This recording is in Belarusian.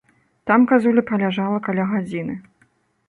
Там казуля праляжала каля гадзіны.